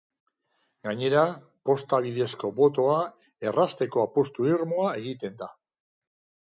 Gainera, posta bidezko botoa errazteko apustu irmoa egiten da.